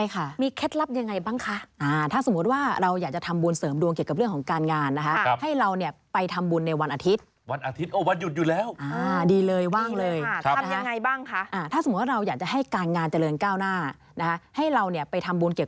อย่างนั้นก็เอาอย่างนี้ดีกว่าเราไปทำบุญเสริมดวงกันหน่อย